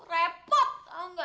repot tau ga